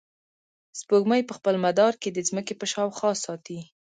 سپوږمۍ په خپل مدار کې د ځمکې په شاوخوا ساتي.